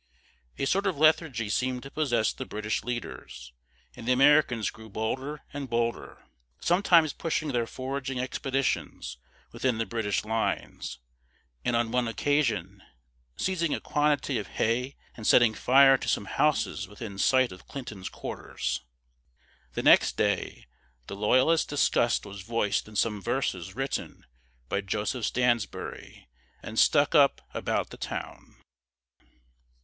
A sort of lethargy seemed to possess the British leaders, and the Americans grew bolder and bolder, sometimes pushing their foraging expeditions within the British lines, and on one occasion seizing a quantity of hay and setting fire to some houses within sight of Clinton's quarters. The next day, the Loyalist disgust was voiced in some verses written by Joseph Stansbury and stuck up about the town.